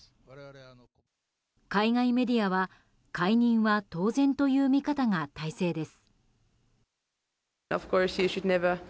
海外メディアは解任は当然という見方が大勢です。